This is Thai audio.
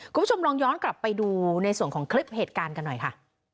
คุณผู้ชมลองย้อนกลับไปดูในส่วนของคลิปเหตุการณ์กันหน่อยค่ะ